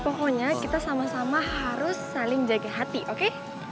pokoknya kita sama sama harus saling jaga hati oke